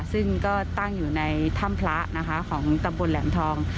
ซึ่งก็ตั้งอยู่ในถ้ำพระนะคะของตำบลแหลมทอง